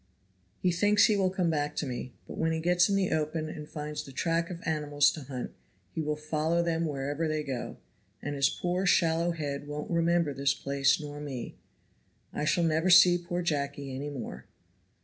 "He thinks he will come back to me, but when he gets in the open and finds the track of animals to hunt he will follow them wherever they go, and his poor shallow head won't remember this place nor me; I shall never see poor Jacky any more!"